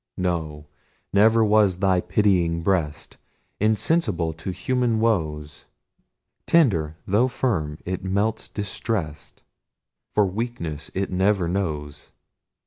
No; never was thy pitying breast Insensible to human woes; Tender, tho' firm, it melts distrest For weaknesses it never knows.